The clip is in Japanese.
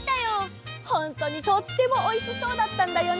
ホントにとってもおいしそうだったんだよね！